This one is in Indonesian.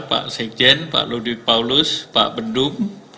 pak sekjen pak ludit paulus pak bendung